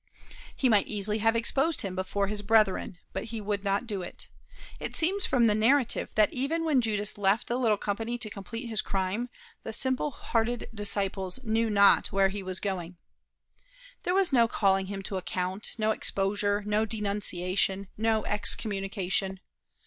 He might easily have exposed him before his brethren, but he would not do it. It seems from the narrative that even when Judas left the little company to complete his crime, the simple hearted disciples knew not where he was going. There was no calling him to account, no exposure, no denunciation, no excommunication.